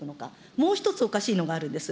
もう１つおかしいのがあるんです。